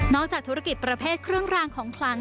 จากธุรกิจประเภทเครื่องรางของคลัง